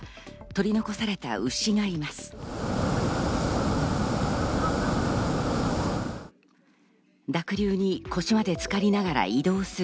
取り残された牛がいます。